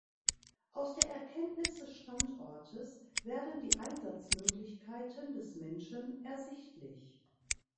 Aus der Erkenntnis des Standortes werden die Einsatzmöglichkeiten des Menschen ersichtlich.